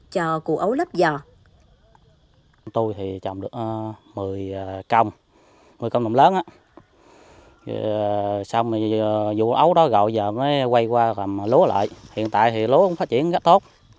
cho củ ấu lấp giò